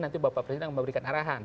nanti bapak presiden memberikan arahan